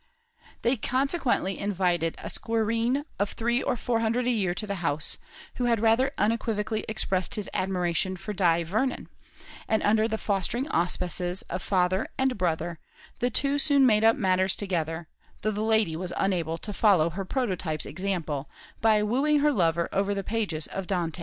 They consequently invited a squireen of three or four hundred a year to the house, who had rather unequivocally expressed his admiration for Di Vernon; and under the fostering auspices of father and brother, the two soon made up matters together, though the lady was unable to follow her prototype's example, by wooing her lover over the pages of Dante.